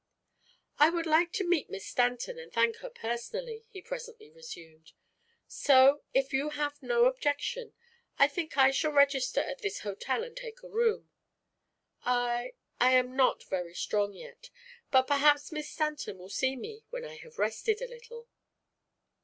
"I would like to meet Miss Stanton and thank her personally," he presently resumed. "So, if you have no objection, I think I shall register at this hotel and take a room. I I am not very strong yet, but perhaps Miss Stanton will see me when I have rested a little."